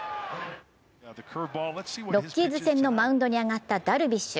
ロッキーズ戦のマウンドに上がったダルビッシュ。